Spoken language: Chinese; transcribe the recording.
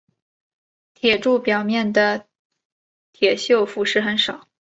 铁柱表面铁锈腐蚀很少。